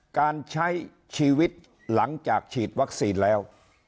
การใช้ชีวิตหลังจากฉีดวัคซีนแล้ว